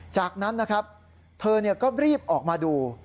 จากนั้นนะครับเธอก็รีบออกมาดู